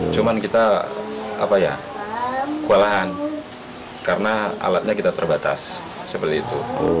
cuman kita kewalahan karena alatnya kita terbatas seperti itu